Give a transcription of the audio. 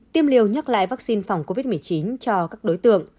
tiêm liều nhắc lại vaccine phòng covid một mươi chín cho các đối tượng